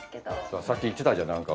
さっき言ってたじゃん。